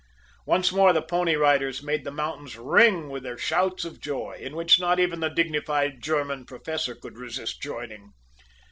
Once more the Pony Riders made the mountains ring with their shouts of joy in which not even the dignified German Professor could resist joining.